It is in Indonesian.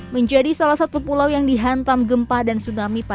menjadi salah satu pulau yang dihantam gempa dan kerasa